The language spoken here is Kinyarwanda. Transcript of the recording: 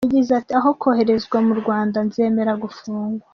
Yagize, ati: “Aho koherezwa mu Rwanda nzemera gufungwa.”